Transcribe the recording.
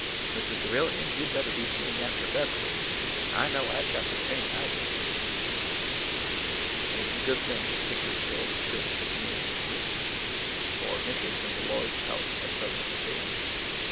Mrs. Trevilian, you 'd better be seeing after Beverly. I know I 've got to chain Isaac !" It was a good thing that Hickory Grove church was nearing completion, for interest in the Lx)rd's house had suddenly abated.